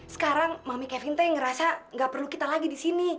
sekarang mami kevin tuh ngerasa gak perlu kita lagi di sini